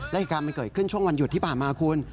และเหตุการณ์มันเกิดขึ้นช่วงวันหยุดที่ผ่านมาคุณ